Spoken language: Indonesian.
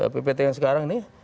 ppt yang sekarang nih